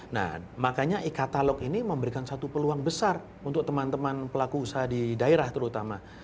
nah makanya e katalog ini memberikan satu peluang besar untuk teman teman pelaku usaha di daerah terutama